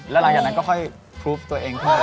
แล้วหลังจากนั้นก็ค่อยทรูฟตัวเองเข้าไป